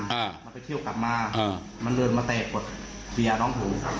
อ่ามันไปเที่ยวกลับมาอ่ามันเดินมาเตะกดเมียน้องผมครับ